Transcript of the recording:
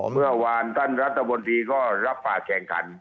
เมื่อวานท่านรัฐบนตรีก็รับฝากแข่งขัน